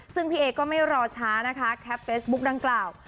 ซึ่งพี่เอก็ไม่รอช้านะคะแคปเฟซบุ๊กดังกล่าว